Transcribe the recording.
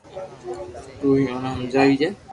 تو ھي اوني ھمجاجي